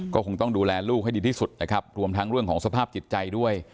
ก็คงต้องดูแลลูกให้ดีที่สุดนะครับรวมทั้งเรื่องของสภาพจิตใจด้วย